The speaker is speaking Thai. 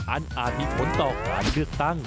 อาจมีผลต่อการเลือกตั้ง